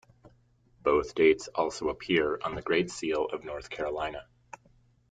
Both dates also appear on the Great Seal of North Carolina.